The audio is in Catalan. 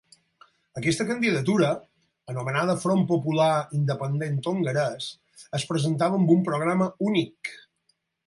Aquesta candidatura, anomenada Front Popular Independent Hongarès, es presentava amb un programa únic.